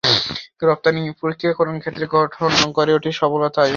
রফতানি প্রক্রিয়াকরণ ক্ষেত্র গড়ে ওঠে ফলতায়।